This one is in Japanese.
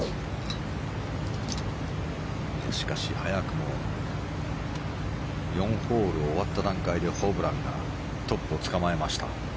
しかし、早くも４ホールを終わった段階でホブランがトップをつかまえました。